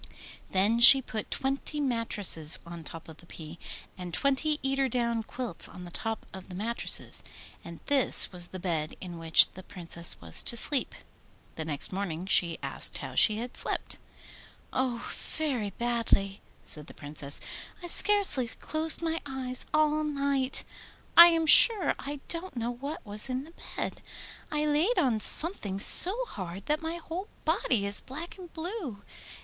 Then she put twenty mattresses on top of the pea, and twenty eider down quilts on the top of the mattresses. And this was the bed in which the Princess was to sleep. The next morning she was asked how she had slept. 'Oh, very badly!' said the Princess. 'I scarcely closed my eyes all night! I am sure I don't know what was in the bed. I laid on something so hard that my whole body is black and blue.